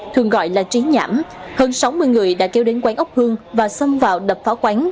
thường gọi là trí nhãm hơn sáu mươi người đã kêu đến quán ốc hương và xâm vào đập phá quán